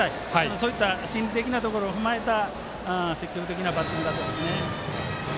そういった心理的なところを踏まえたそういう積極的なバッティングでしたね。